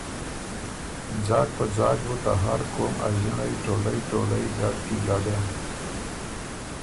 ځاک په ځاک بُو ته هر قوم ا ݫِنړئ ټولئ ټولئ ډډ کی ګډېن۔